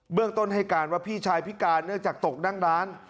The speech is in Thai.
เรื่องต้นให้การว่าพี่ชายพิการเนื่องจากตกนั่งร้าน